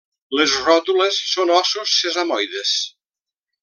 Les ròtules són ossos sesamoides.